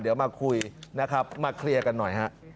เดี๋ยวมาคุยนะครับมาเคลียร์กันหน่อยฮะ